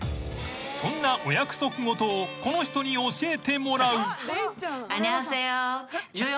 ［そんなお約束事をこの人に教えてもらう］